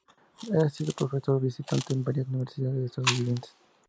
Ha sido profesor visitante en varias universidades estadounidenses.